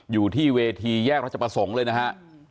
อยู่ที่เวทีแยกรัชประสงค์เลยนะฮะ